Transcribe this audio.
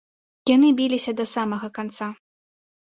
Яны біліся да самага канца.